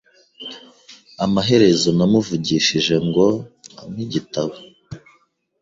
Amaherezo namuvugishije ngo ampe igitabo.